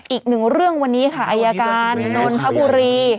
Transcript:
อีกหนึ่งเรื่องวันนี้ค่ะอายการนนทบุรี